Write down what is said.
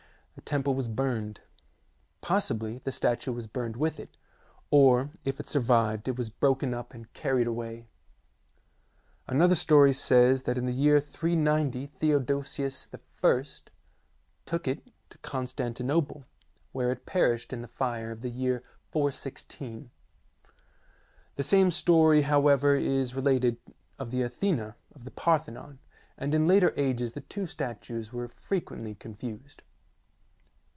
the temple was burned; possibly STATUE OF THE OLYMPIAN ZEUS 95 the statue was burned with it, or, if it survived, it was broken up and carried away. Another story says that in the year 390 Theodosius I. took it to Constantinople, where it perished in the fire of the year of 416. The same story, however, is related of the Athena of the Parthenon, and in later ages the two statues were frequently confused.